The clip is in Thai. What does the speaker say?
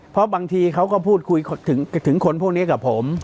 เพราะบางทีเขาก็พูดคุยถึงคนพวกนี้กับผม